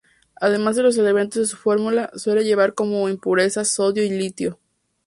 Además de los elementos de su fórmula, suele llevar como impurezas: sodio y litio.